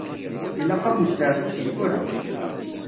Ilaq-am usteɛfu seg tura.